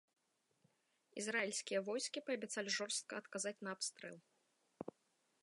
Ізраільскія войскі паабяцалі жорстка адказаць на абстрэл.